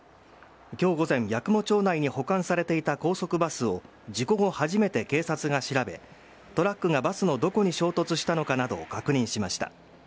きょう午前、八雲町内に保管されていた高速バスを、事故後初めて警察が調べ、トラックがバスのどこに衝突したのかなどを確認しました。